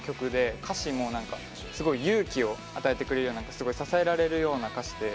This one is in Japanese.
歌詞もすごい勇気を与えてくれるようなすごく支えられるような歌詞で。